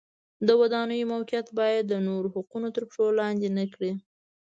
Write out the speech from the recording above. د ودانیو موقعیت باید د نورو حقوق تر پښو لاندې نه کړي.